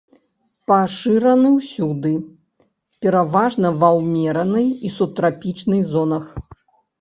Пашыраны ўсюды, пераважна ва ўмеранай і субтрапічнай зонах.